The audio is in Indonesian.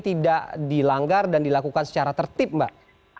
tidak dilanggar dan dilakukan secara tertib mbak